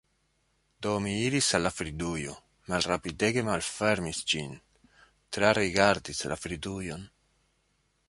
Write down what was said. Do mi iris al la fridujo, malrapidege malfermis ĝin, trarigardis la fridujon...